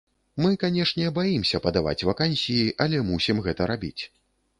Мы, канешне, баімся падаваць вакансіі, але мусім гэта рабіць.